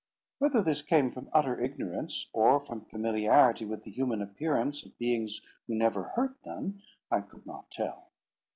Whether this came from utter ignorance, or from familiarity with the human appearance of beings who never hurt them, I could not tell.